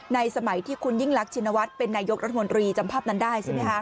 สมัยที่คุณยิ่งรักชินวัฒน์เป็นนายกรัฐมนตรีจำภาพนั้นได้ใช่ไหมคะ